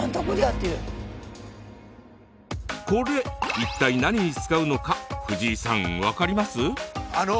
これ一体何に使うのか藤井さん分かります？